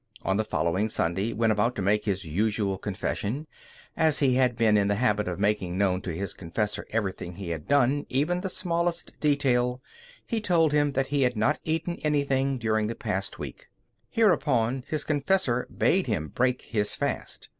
On the following Sunday, when about to make his usual confession, as he had been in the habit of making known to his confessor everything he had done, even the smallest detail, he told him that he had not eaten anything during the past week. Hereupon his confessor bade him break his fast.